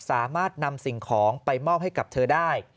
สามารถนำสิ่งของไปมอบให้กับเธอได้